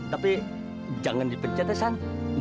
tapi jangan dipencet tarzan